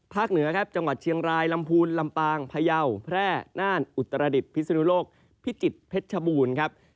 เหนือครับจังหวัดเชียงรายลำพูนลำปางพยาวแพร่น่านอุตรดิษฐพิศนุโลกพิจิตรเพชรชบูรณ์ครับ